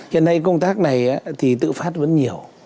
hiện nay công tác này thì tự phát vẫn nhiều